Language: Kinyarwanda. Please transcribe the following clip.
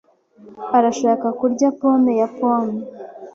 arashaka kurya pome ya pome.